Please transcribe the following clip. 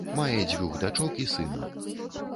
Мае дзвюх дочак і сына.